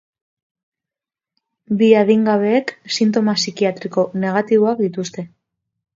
Bi adingabeek sintoma psikiatriko negatiboak dituzte.